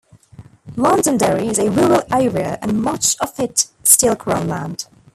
Londonderry is a rural area and much of it still crown land.